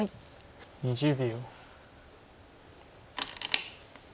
２０秒。